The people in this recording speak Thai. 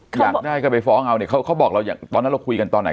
อยากได้ก็ไปฟ้องเอาเนี่ยเขาบอกเราตอนนั้นเราคุยกันตอนไหน